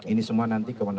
ini semua nanti kemana mana